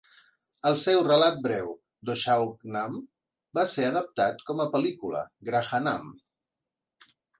El seu relat breu Doshagunam va ser adaptat com a pel·lícula Grahanam.